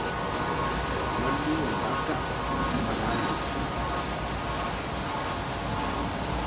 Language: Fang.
Melu ô nga kakh me mana lor.